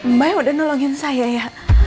mbak ya udah nolongin saya ya